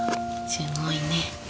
すごいね。